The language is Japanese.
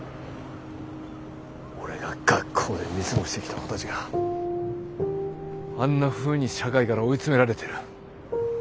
俺が学校で見過ごしてきた子たちがあんなふうに社会から追い詰められてる。